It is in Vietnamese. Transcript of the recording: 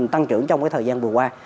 tăng trưởng trong cái thời gian vừa qua